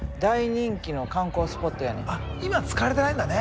あっ今は使われてないんだね